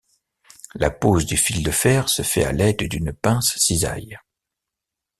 La pose du fil de fer se fait à l'aide d'une pince cisaille.